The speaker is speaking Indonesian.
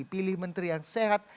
pilih menteri yang sehat